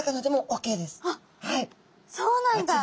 あっそうなんだ。